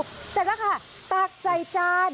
เสร็จแล้วค่ะตักใส่จาน